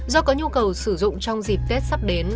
do có nhu cầu sử dụng trong dịp tết sắp đến